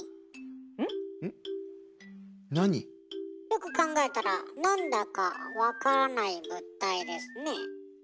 よく考えたらなんだか分からない物体ですね。